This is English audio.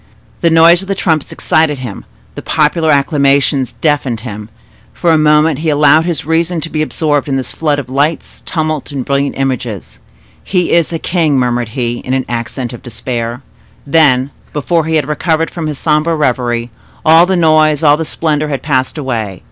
The noise of the trumpets excited him—the popular acclamations deafened him: for a moment he allowed his reason to be absorbed in this flood of lights, tumult, and brilliant images. "He is a king!" murmured he, in an accent of despair. Then, before he had recovered from his sombre reverie, all the noise, all the splendor, had passed away.